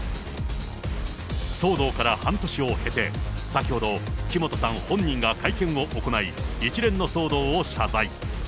騒動から半年を経て、先ほど、木本さん本人が会見を行い、一連の騒動を謝罪。